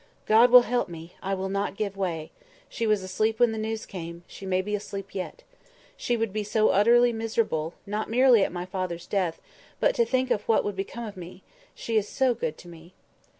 "God will help me—I will not give way—she was asleep when the news came; she may be asleep yet. She would be so utterly miserable, not merely at my father's death, but to think of what would become of me; she is so good to me."